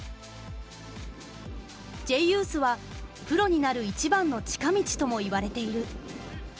Ｊユースはプロになる一番の近道とも言われている。